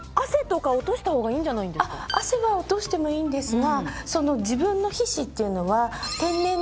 汗は落としてもいいんですが。